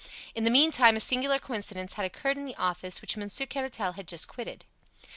In the meantime a singular coincidence had occurred in the office which Monsieur Caratal had just quitted.